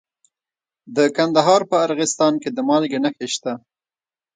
د کندهار په ارغستان کې د مالګې نښې شته.